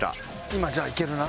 今じゃあいけるな？